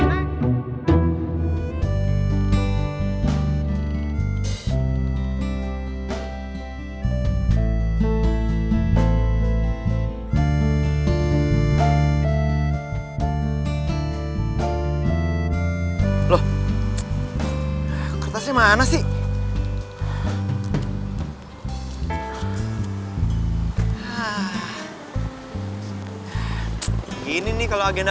aku lagi banyak kerjaan tuh